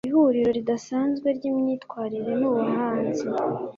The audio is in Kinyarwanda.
Ihuriro ridasanzwe ryimyitwarire nubuhanzi